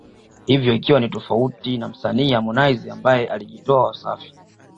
hiyo ikiwa ni tofauti na msanii Harmonize ambaye alijitoa Wasafi